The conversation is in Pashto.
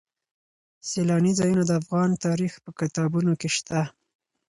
سیلاني ځایونه د افغان تاریخ په کتابونو کې شته.